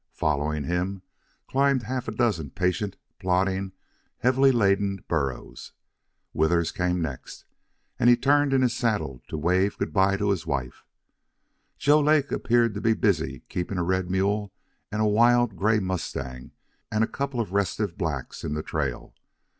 Following him climbed half a dozen patient, plodding, heavily laden burros. Withers came next, and he turned in his saddle to wave good by to his wife. Joe Lake appeared to be busy keeping a red mule and a wild gray mustang and a couple of restive blacks in the trail.